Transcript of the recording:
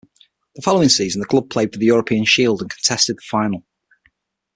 The following season the club played for the European Shield, and contested the final.